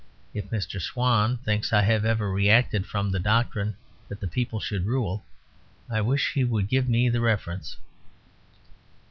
If Mr. Swann thinks I have ever reacted from the doctrine that the people should rule, I wish he would give me the reference.